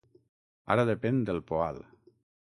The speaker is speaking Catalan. Ara depèn del Poal.